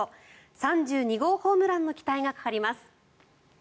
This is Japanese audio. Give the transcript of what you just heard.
３２号ホームランの期待がかかります。